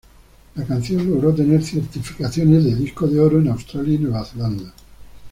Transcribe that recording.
La canción logró tener certificaciones de disco de oro en Australia y Nueva Zelanda.